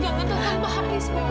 jangan datang pak haris